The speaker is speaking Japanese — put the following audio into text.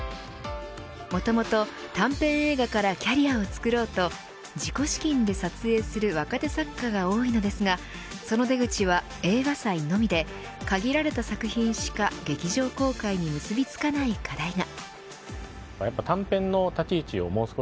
もともと短編映画からキャリアを作ろうと自己資金で撮影する若手作家が多いのですが、その出口は映画祭のみで限られた作品しか劇場公開に結びつかない課題が。